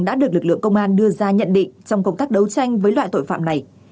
đã được lực lượng công an đưa ra nhận định trong công tác đấu tranh với loại tội phạm này